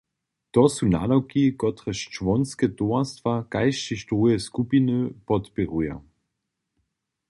To su nadawki, kotrež čłonske towarstwa kaž tež druhe skupiny podpěruja.